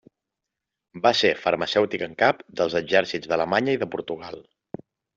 Va ser farmacèutic en cap dels exèrcits d'Alemanya i de Portugal.